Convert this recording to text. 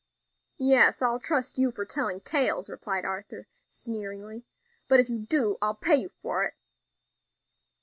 "Yes, I'll trust you for telling tales," replied Arthur, sneeringly; "but if you do, I'll pay you for it."